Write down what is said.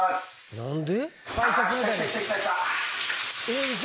何で？